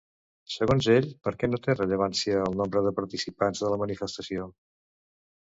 Segons ell, per què no té rellevància el nombre de participants de la manifestació?